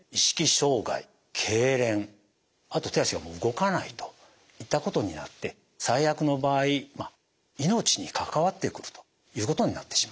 障害けいれんあと手足が動かないといったことになって最悪の場合命に関わってくるということになってしまいます。